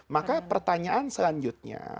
maka pertanyaan selanjutnya